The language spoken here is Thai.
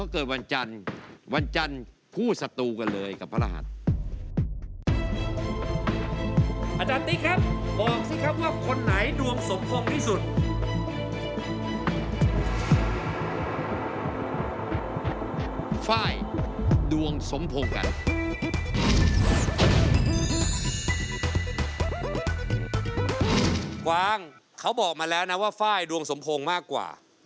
กวางเขาบอกมาแล้วนะว่าไฟล์ดวงสมพงษ์มากกว่า